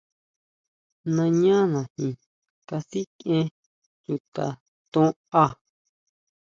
Nañánaji kasikʼien chuta ton á.